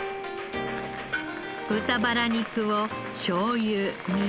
豚バラ肉をしょうゆみりん